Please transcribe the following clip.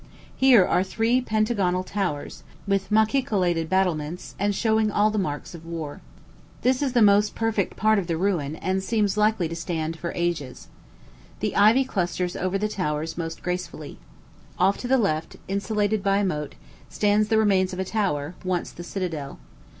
Here are three pentagonal towers, with machicolated battlements, and showing all the marks of war. This is the most perfect part of the ruin, and seems likely to stand for ages. The ivy clusters over the towers most gracefully. Off to the left, insulated by a moat, stands the remains of a tower, once the citadel.